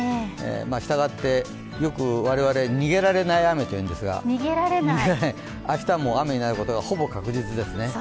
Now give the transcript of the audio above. したがってよく我々逃げられない雨というんですが、明日も雨になることがほぼ確実ですね。